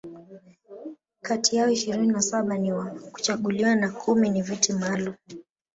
kati yao ishirini na saba ni wa kuchaguliwa na kumi ni Viti maalum